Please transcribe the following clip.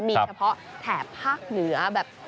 มีเฉพาะแถบภาคเหนือแบบ